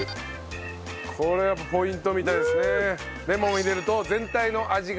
これやっぱポイントみたいですね。